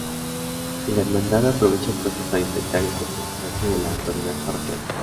Y la Hermandad aprovecha entonces para intentar independizarse de la autoridad parroquial.